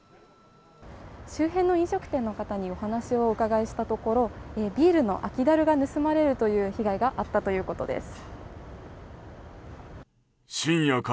周辺の飲食店の方にお話をお伺いしたところビールの空き樽が盗まれるという被害があったということです。